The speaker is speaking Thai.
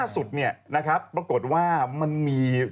สุดเนี่ยนะครับปรากฏว่ามันมี